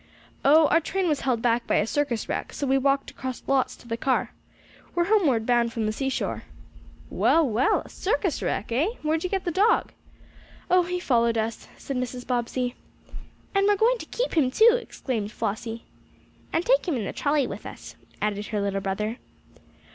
"Oh, our train was held back by a circus wreck, so we walked across the lots to the car. We're homeward bound from the seashore." "Well, well! A circus wreck, eh? Where did you get the dog?" "Oh, he followed us," said Mrs. Bobbsey. "And we're going to keep him, too!" exclaimed Flossie. "And take him in the trolley with us," added her little brother.